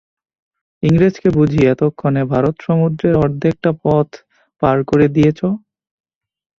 ইংরেজকে বুঝি এতক্ষণে ভারত-সমুদ্রের অর্ধেকটা পথ পার করে দিয়েছ?